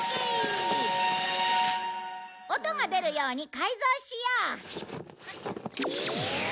音が出るように改造しよう。